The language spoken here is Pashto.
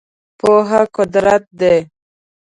پوهه قدرت دی .